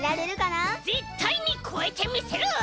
ぜったいにこえてみせる！